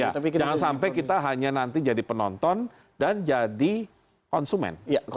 jangan sampai kita hanya nanti jadi penonton dan jadi konsumen